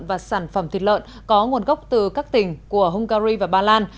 và sản phẩm thịt lợn có nguồn gốc từ các tỉnh của hungary và ba lan